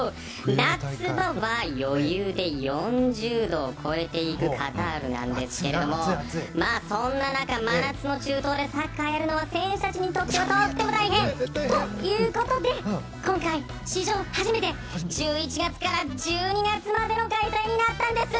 夏場は余裕で４０度を超えていくカタールですがそんな中真夏の中東でサッカーやるのは選手たちにとってとっても大変。ということで今回、史上初めて１１月から１２月までの開催になったんです。